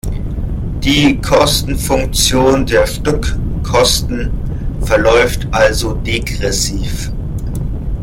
Die Kostenfunktion der Stückkosten verläuft also degressiv.